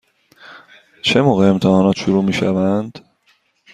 چه موقع امتحانات شروع می شوند؟